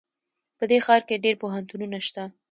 په دې ښار کې ډېر پوهنتونونه شته